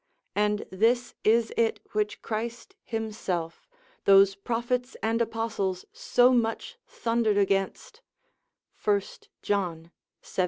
And this is it which Christ himself, those prophets and apostles so much thundered against, 1 John, xvii.